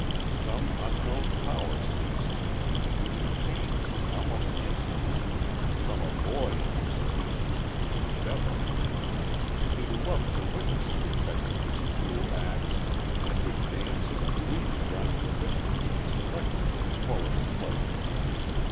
Some unknown power seized him and he was changed, almost instantly, from a boy in his teens to a devil, lie loved to witness the effects of his cruel acts and would dance in glee around the victim lie had selected for his horrible pleasure.